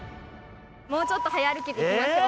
もうちょっと早歩きで行きましょう。